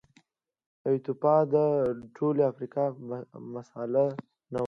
ایتوپیا د ټولې افریقا مثال نه و.